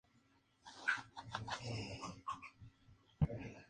Al ministro de Justicia posee ex officio el título de Notario Mayor del Reino.